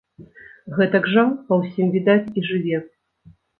Гэтак жа, па ўсім відаць, і жыве.